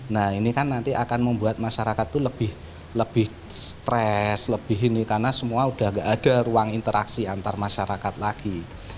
nah ini kan nanti akan membuat masyarakat itu lebih stress lebih ini karena semua udah gak ada ruang interaksi antar masyarakat lagi